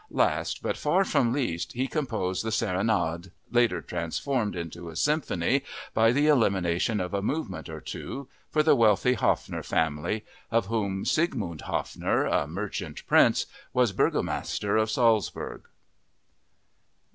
Last, but far from least, he composed the Serenade (later transformed into a symphony by the elimination of a movement or two) for the wealthy Haffner family, of whom Sigmund Haffner, a merchant prince, was Burgomaster of Salzburg.